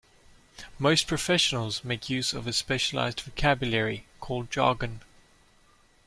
Most professionals make use of a specialised vocabulary called jargon.